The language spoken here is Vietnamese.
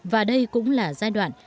và đây cũng là giai đoạn